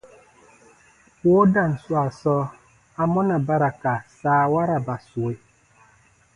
Woodan swaa sɔɔ, amɔna ba ra ka saawaraba sue?